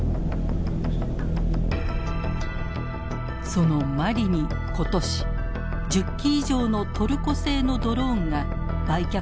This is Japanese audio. そのマリに今年１０機以上のトルコ製のドローンが売却されたのです。